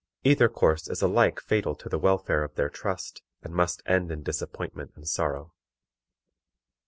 Either course is alike fatal to the welfare of their trust, and must end in disappointment and sorrow.